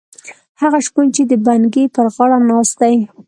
هغه شپون چې د بنګي پر غاړه ناست دی.